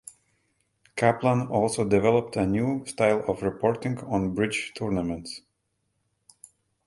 Kaplan also developed a new style of reporting on bridge tournaments.